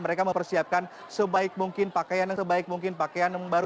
mereka mempersiapkan sebaik mungkin pakaian yang sebaik mungkin pakaian yang baru